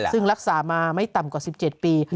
ซึ่งรักษามาไม่ต่ำกว่า๑๗ปี